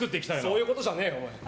そういうことじゃねえよ。